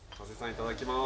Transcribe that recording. いただきます。